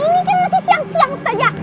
ini kan masih siang siang ustazah